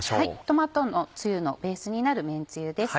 トマトのつゆのベースになるめんつゆです。